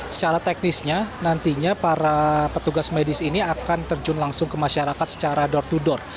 secara teknisnya nantinya para petugas medis ini akan terjun langsung ke masyarakat secara door to door